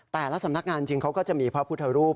แต่ละสำนักงานจริงเขาก็จะมีพระพุทธรูป